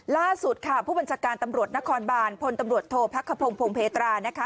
ล่าสุดค่ะผู้บัญชาการตำรวจนครบานพลตำรวจโทษพักขพงพงเพตรานะคะ